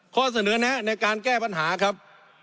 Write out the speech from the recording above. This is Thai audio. ข้อเสนอแนะในการแก้ปัญหาครับ